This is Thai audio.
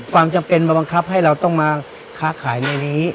ความจำเป็นมาบังคับให้เราต้องมาค้าขายในนี้